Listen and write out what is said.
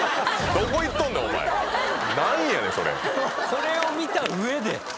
これを見た上で⁉